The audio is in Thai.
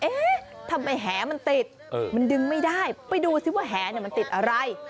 เอ๊ะทำไมแหมันติดมันดึงไม่ได้ไปดูซิว่าแหเนี่ยมันติดอะไร